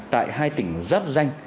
tại hai tỉnh giáp danh